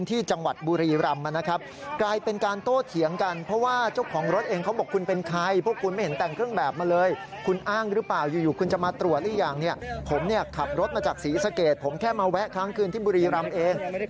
ตรวจตรวจตรวจตรวจตรวจตรวจตรวจตรวจตรวจตรวจตรวจตรวจตรวจตรวจตรวจตรวจตรวจตรวจตรวจตรวจตรวจตรวจตรวจตรวจตรวจตรวจตรวจตรวจตรวจตรวจ